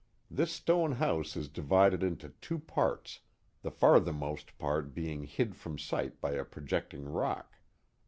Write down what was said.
This stone house is divided into two parts, the farthermost part being hid from sight by a projecting rock.